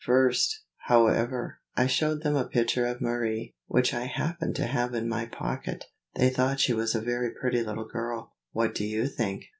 First, however, I showed them a picture of Marie, which I happened to have in my pocket. They thought she was a very pretty little girl. What do you think?"